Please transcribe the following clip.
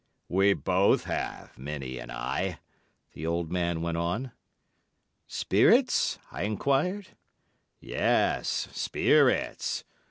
"We both have, Minnie and I," the old man went on. "Spirits?" I enquired. "Yes, spirits.